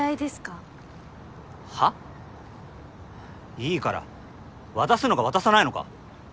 いいから渡すのか渡さないのか。